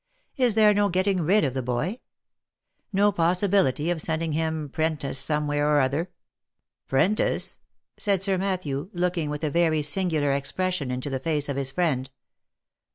Is there no getting rid of the boy ? No possibility of sending him 'pren tice some where or other?" "'Prentice?" said Sir Matthew, looking with a very singular ex pression into the face of his friend.